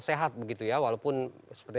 sehat begitu ya walaupun seperti